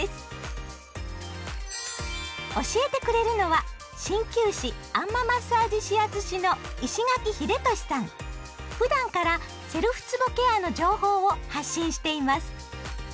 教えてくれるのは鍼灸師あん摩マッサージ指圧師のふだんからセルフつぼケアの情報を発信しています。